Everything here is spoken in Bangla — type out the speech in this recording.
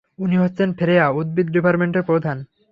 উনি হচ্ছেন ফ্রেয়া, উদ্ভিদ ডিপার্টমেন্টের প্রধান।